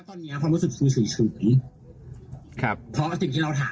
ตอนนี้ความรู้สึกสูญสูญ